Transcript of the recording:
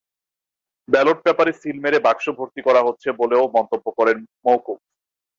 Ballot পেপারে seal মেরে বাক্স ভর্তি করা হচ্ছে বলেও মন্তব্য করেন মওকুফ।